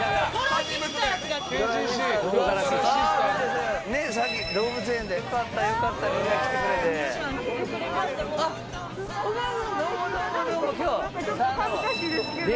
恥ずかしいですけど。